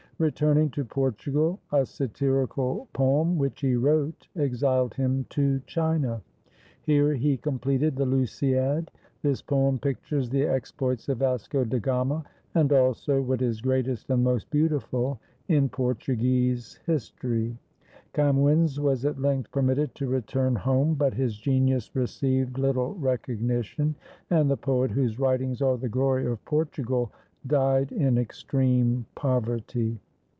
Returning to Portugal, a satirical poem which he wrote exiled him to China. Here he completed the "Lusiad." This poem pictures the exploits of Vasco da Gama and also what is greatest and most beautiful in Portu guese history. Camoens was at length permitted to return home, but his genius received little recognition, and the poet whose writings are the glory of Portugal died in extreme poverty.